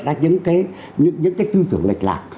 ra những cái sư dưỡng lệch lạc